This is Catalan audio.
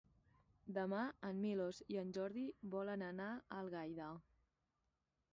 Demà en Milos i en Jordi volen anar a Algaida.